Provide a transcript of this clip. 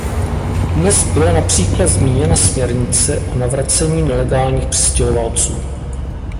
Dnes byla například zmíněna směrnice o navracení nelegálních přistěhovalců.